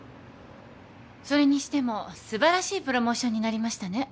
それにしても素晴らしいプロモーションになりましたね。